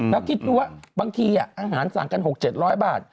แล้วคิดดูว่าบางทีอาหารสั่งกัน๖๗๐๐บาท